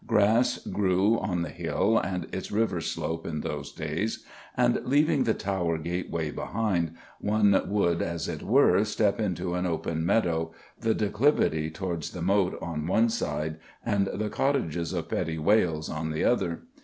Grass grew on the hill and its river slope in those days, and, leaving the Tower Gateway behind, one would, as it were, step into an open meadow, the declivity towards the Moat on one side and the cottages of Petty Wales on the other.